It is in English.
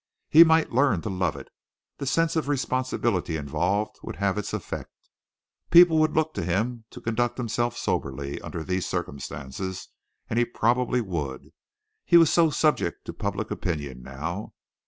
He might learn to love it. The sense of responsibility involved would have its effect. People would look to him to conduct himself soberly under these circumstances, and he probably would he was so subject to public opinion now.